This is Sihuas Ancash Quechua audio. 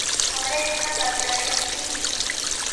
Wamraykiqa qatiraashunkimi.